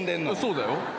そうだよ。